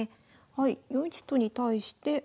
はい４一と金に対して。